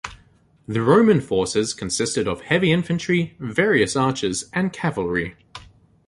The Roman forces consisted of heavy infantry, various archers and cavalry.